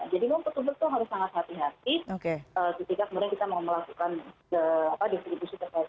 jadi memang betul betul harus sangat hati hati ketika kemudian kita mau melakukan distribusi ke laptop